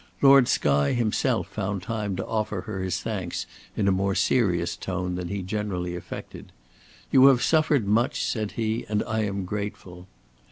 Lord Skye himself found time to offer her his thanks in a more serious tone than he generally affected. "You have suffered much," said he, "and I am grateful."